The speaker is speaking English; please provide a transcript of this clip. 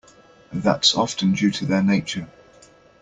That's often due to their nature.